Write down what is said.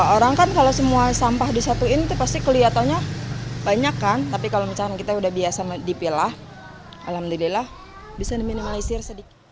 orang kan kalau semua sampah disatuin itu pasti kelihatannya banyak kan tapi kalau misalkan kita udah biasa dipilah alhamdulillah bisa diminimalisir sedikit